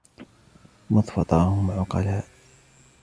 مُذْ فَطَرَهُمْ عُقَلَاءَ